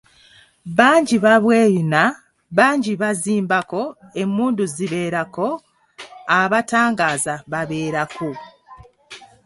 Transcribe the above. "Bangi babweyuna , bangi bazimbako, emmundu zibeerako, abatangaaza babeerako."